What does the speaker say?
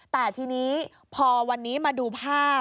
แต่ทีนี้พอวันนี้มาดูภาพ